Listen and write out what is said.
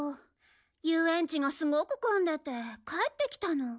遊園地がすごく混んでて帰ってきたの。